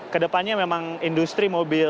kedepannya memang industri mobil